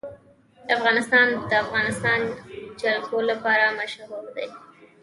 افغانستان د د افغانستان جلکو لپاره مشهور دی.